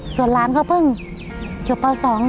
ส่วนหลานก็เพิ่งอยู่ป๒